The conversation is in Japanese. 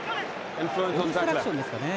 オブストラクションですかね。